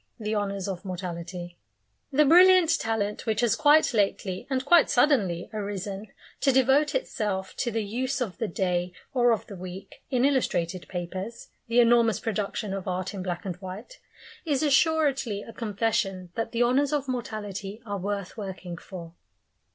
THE HONOURS OF MORTALITY The brilliant talent which has quite lately and quite suddenly arisen, to devote itself to the use of the day or of the week, in illustrated papers the enormous production of art in black and white is assuredly a confession that the Honours of Mortality are worth working for.